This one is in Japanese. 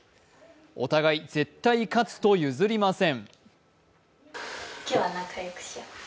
お互いに絶対勝つと譲りません。